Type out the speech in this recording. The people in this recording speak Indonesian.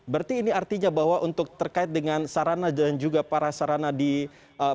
berarti ini artinya bahwa untuk terkait dengan sarana dan juga para sarana di kalimantan timur